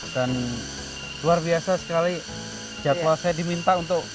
dan luar biasa sekali jadwal saya diminta untuk